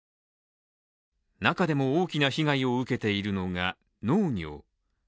中でも大きな被害を受けているのが農業。